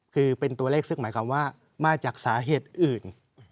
คือเป็นตัวเลขซึ่งหมายความว่ามาจากสาเหตุอื่น